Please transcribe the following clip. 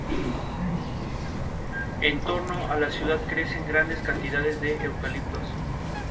En torno a la ciudad crecen grandes cantidades de eucaliptos.